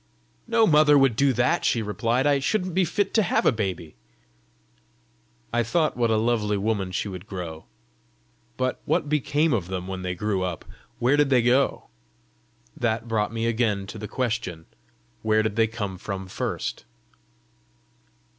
"No mother would do that," she replied. "I shouldn't be fit to have a baby!" I thought what a lovely woman she would grow. But what became of them when they grew up? Where did they go? That brought me again to the question where did they come from first?